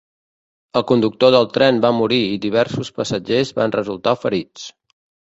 El conductor del tren va morir i diversos passatgers van resultar ferits.